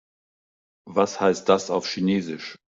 Was heißt das auf Chinesisch?